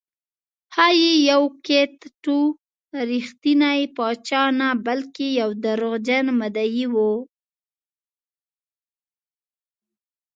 ښایي یوکیت ټو رښتینی پاچا نه بلکې یو دروغجن مدعي و